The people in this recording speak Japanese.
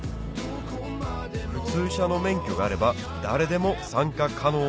普通車の免許があれば誰でも参加可能